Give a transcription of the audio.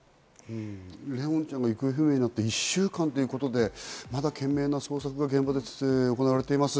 怜音ちゃんが行方不明になって１週間ということで、まだ懸命な捜索が現場で行われています。